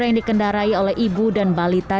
yang dikendarai oleh ibu dan balita